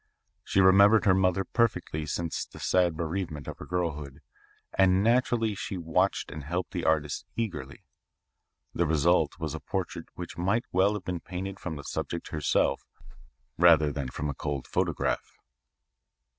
She remembered her mother perfectly since the sad bereavement of her girlhood and naturally she watched and helped the artist eagerly. The result was a portrait which might well have been painted from the subject herself rather than from a cold photograph.